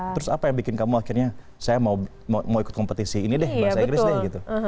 terus apa yang bikin kamu akhirnya saya mau ikut kompetisi ini deh bahasa inggris deh gitu